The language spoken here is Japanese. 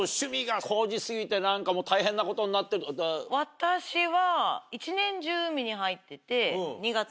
私は。